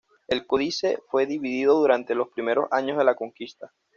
El códice fue dividido durante los primeros años de la conquista.